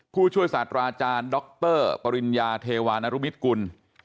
ผู้ช่วยศาสตราอาจารย์ดรปริญญาเทวานรุมิตกุล